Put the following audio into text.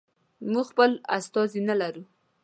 موږ خپل استازی نه لرو.